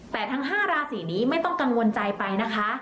แต่ทั้ง๕ราศีนี้ไม่ต้องกังวลใจไปนะคะ